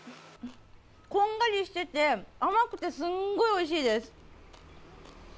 こんがりしてて、甘くてすんごいおいしいです。